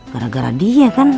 gara gara dia kan